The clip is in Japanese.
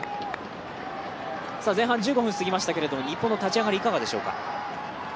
前半１５分過ぎましたけれども日本の立ち上がりいかがですか。